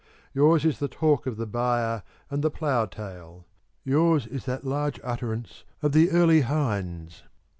Yours is the talk of the byre and the plough tail; yours is that large utterance of the early hinds.